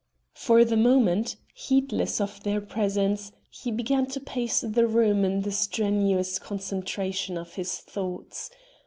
For the moment, heedless of their presence, he began to pace the room in the strenuous concentration of his thoughts.